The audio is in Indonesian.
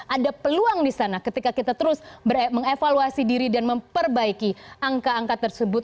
ada peluang di sana ketika kita terus mengevaluasi diri dan memperbaiki angka angka tersebut